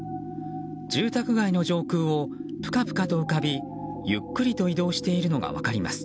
住宅街の上空をぷかぷかと浮かびゆっくりと移動しているのが分かります。